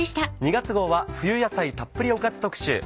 ２月号は冬野菜たっぷりおかず特集。